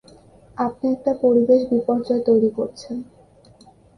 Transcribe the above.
আপনি একটা পরিবেশ বিপর্যয় তৈরি করেছেন।